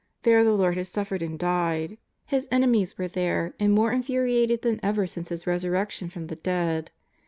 There the Lord had suffered and died. His enemies were there and more infuriated than ever since His Resur rection from the dead.